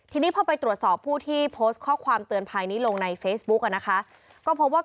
ทีนี้พอไปตรวจสอบผู้ที่โพสต์ข้อความเตือนภัยนี้ลงในเฟซบุ๊กอ่ะนะคะก็พบว่า